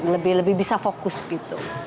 lebih lebih bisa fokus gitu